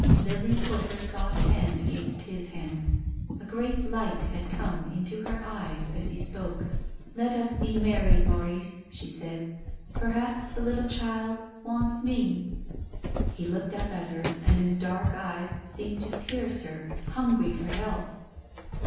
Lily put her soft hand against his hands. A great light had come into her eyes as he spoke. 220 TONGUES OF CONSCIENCE. " Let us be married, Maurice," she said. " Per haps the little child wants me." He looked up at her and his dark eyes seemed to pierce her, hungry for help.